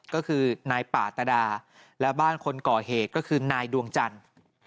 ก็คือนายป่าตดาและบ้านคนก่อเหตุก็คือนายดวงจันทร์